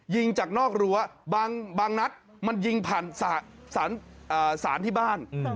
ยิงจากนอกรั้วบางนัดมันยิงผ่านสารที่บ้าน